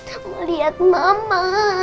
aku mau liat mama